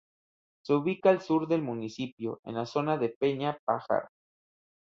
Se ubica al sur del municipio, en la zona de Peña Pajar.